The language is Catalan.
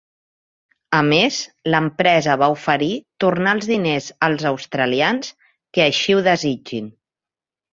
A més, l'empresa va oferir tornar els diners als australians que així ho desitgin.